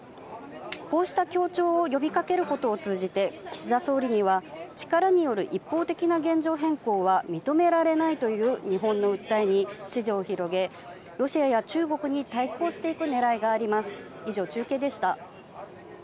こうした協調を呼びかけることを通じて、岸田総理には力による一方的な現状変更は認められないという日本の訴えに、支持を広げ、ロシアや中国に対抗していくねらいがあります。